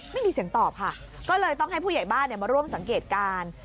ไม่มีเสียงตอบค่ะก็เลยต้องให้ผู้ใหญ่บ้านมาร่วมสังเกตการณ์